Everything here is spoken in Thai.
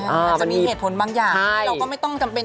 อาจจะมีเหตุผลบางอย่างเราก็ไม่ต้องจำเป็น